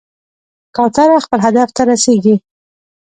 کوتره خپل هدف ته رسېږي.